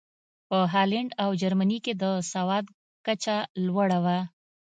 په هالنډ او جرمني کې د سواد کچه لوړه وه.